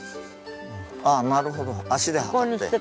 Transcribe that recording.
ああなるほど足で測って。